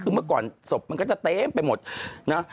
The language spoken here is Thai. คือเมื่อก่อนศพมันก็จะเต็มไปหมดนะ